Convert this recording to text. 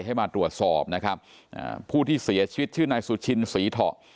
ให้มาตรวจสอบนะครับอ่าผู้ที่เสียชีวิตชื่อนายสุชินศรีเถาะ